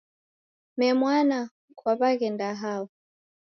Mee mwana, kwaw'aghenda hao?